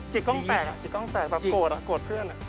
จิ๊กกล้องแตกจิ๊กกล้องแตกแบบโกรธอะโกรธเพื่อนอะ